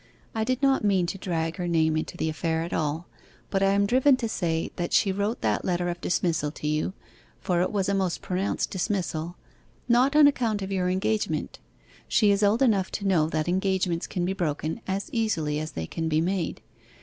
I did not mean to drag her name into the affair at all, but I am driven to say that she wrote that letter of dismissal to you for it was a most pronounced dismissal not on account of your engagement. She is old enough to know that engagements can be broken as easily as they can be made.